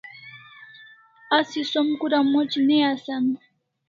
Asi som kura moc ne asan